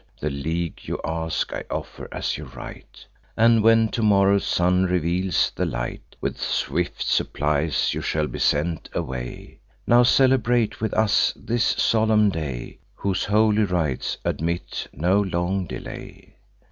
The league you ask, I offer, as your right; And, when tomorrow's sun reveals the light, With swift supplies you shall be sent away. Now celebrate with us this solemn day, Whose holy rites admit no long delay.